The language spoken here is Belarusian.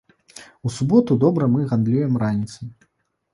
У суботу добра мы гандлюем раніцай.